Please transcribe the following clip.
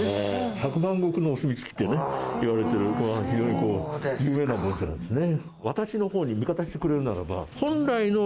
「百万石のお墨付き」っていわれてる非常に有名な文書なんですね。